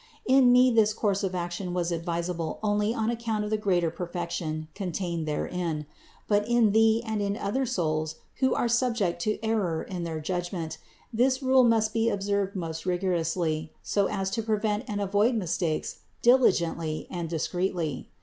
In me this course of action was advisable only on account of the greater perfection contained therein, but in thee and in other souls, who are subject to error in their judgment, this rule must be observed most rigorously, so as to prevent and avoid mistakes diligently and discreetly.